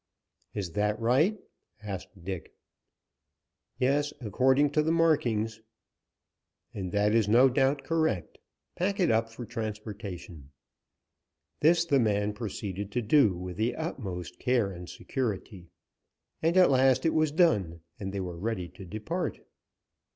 "Is that right?" asked Dick. "Yes, according to the markings." "And that is no doubt correct. Pack it up for transportation." This the man proceeded to do, with the utmost care and security, and at last it was done and they were ready to depart.